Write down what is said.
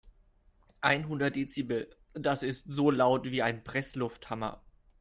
Einhundert Dezibel, das ist so laut wie ein Presslufthammer.